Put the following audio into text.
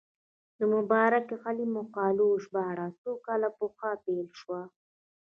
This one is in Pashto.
د مبارک علي د مقالو ژباړه څو کاله پخوا پیل شوه.